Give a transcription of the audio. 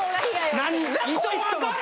なんじゃこいつと思って。